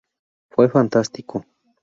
Fue fantástico.